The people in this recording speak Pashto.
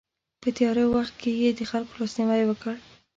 په تیاره وخت کې یې د خلکو لاسنیوی وکړ.